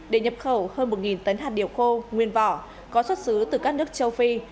để nhập khẩu hơn một tấn hạt điều khô nguyên vỏ có xuất xứ từ các nước châu phi